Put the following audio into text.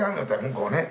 向こうね。